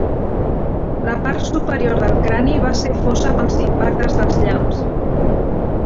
La part superior del crani va ser fosa pels impactes dels llamps.